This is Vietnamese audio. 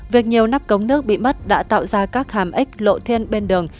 việc nhiều nắp cống nước bị mất đã tạo ra các hàm ếch lộ thiên bên đường